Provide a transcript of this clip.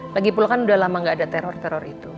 lagipul kan udah lama gak ada teror teror itu